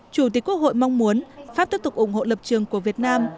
chủ tịch quốc hội mong muốn pháp tiếp tục ủng hộ lập trường của việt nam